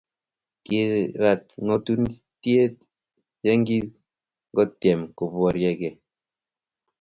kirat ng'otutie yekingotyem koboryekei